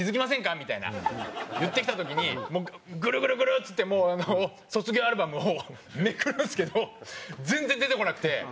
みたいな言ってきた時にもうグルグルグルっつって卒業アルバムをめくるんですけど全然出てこなくて。